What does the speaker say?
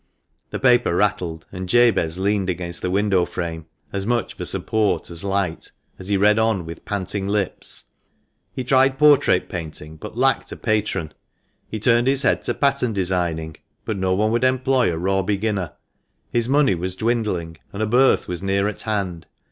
The paper rattled, and Jabez leaned against the window frame, as much for support as light, as he read on with panting lips. *' He tried portrait painting, but lacked a patron ; he turned his head to pattern designing, but no one would employ a raw beginner. His money was dwindling, and a birth was near at hand.